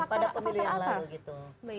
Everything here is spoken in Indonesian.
pada pemilihan lalu gitu